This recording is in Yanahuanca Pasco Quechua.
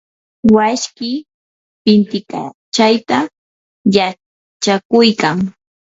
washkii pintikachayta yachakuykan.